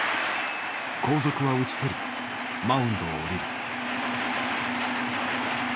後続は打ち取りマウンドを降りる。